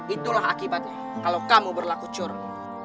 itulah akibatnya kalau kamu berlaku curang